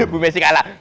bu mesit kalah